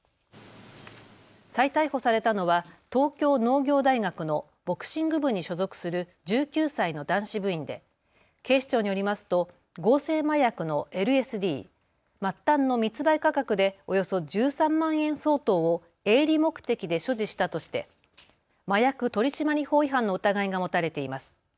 再逮捕されたのは東京農業大学のボクシング部に所属する１９歳の男子部員で警視庁によりますと合成麻薬のＬＳＤ、末端の密売価格でおよそ１３万円相当を営利目的で所持したとして麻薬取締法違反の疑いが持たれています。